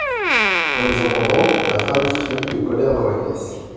En les entendant, la femme frémit de colère dans la caisse.